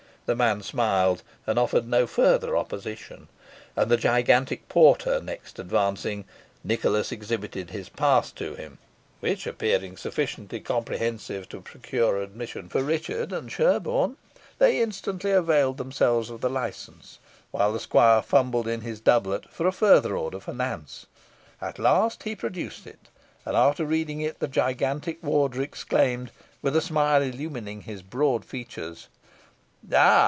The man smiled, and offered no further opposition; and the gigantic porter next advancing, Nicholas exhibited his pass to him, which appearing sufficiently comprehensive to procure admission for Richard and Sherborne, they instantly availed themselves of the licence, while the squire fumbled in his doublet for a further order for Nance. At last he produced it, and after reading it, the gigantic warder exclaimed, with a smile illumining his broad features "Ah!